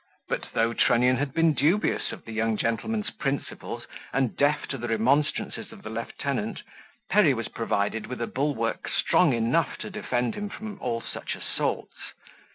But, though Trunnion had been dubious of the young gentleman's principles, and deaf to the remonstrances of the lieutenant, Perry was provided with a bulwark strong enough to defend him from all such assaults.